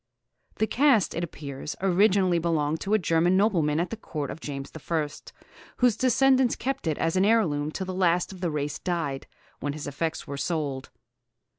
The cast, it appears, originally belonged to a German nobleman at the Court of James I., whose descendants kept it as an heirloom till the last of the race died, when his effects were sold.